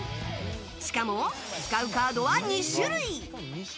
しかも、使うカードは２種類！